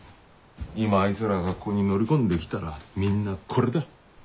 今あいつらがここに乗り込んできたらみんなこれだ。